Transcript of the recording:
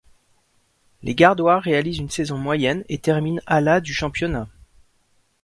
Les gardois réalisent une saison moyenne et terminent à la du championnat.